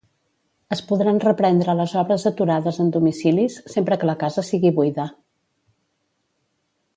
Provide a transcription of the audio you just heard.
Es podran reprendre les obres aturades en domicilis, sempre que la casa sigui buida.